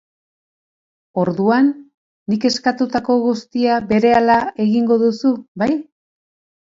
Orduan, nik eskatutako guztia berehala egingo duzu, bai?